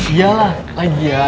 iya lah lagi ya